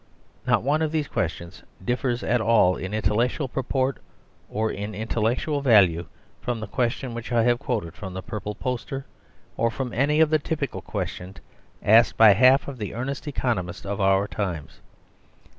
Not one of these questions differs at all in intellectual purport or in intellectual value from the question which I have quoted from the purple poster, or from any of the typical questions asked by half of the earnest economists of our times.